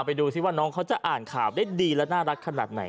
ดูสิว่าน้องเขาจะอ่านข่าวได้ดีและน่ารักขนาดไหน